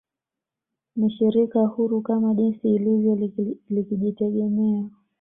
Ni Shirika huru kama jinsi ilivyo likijitegemea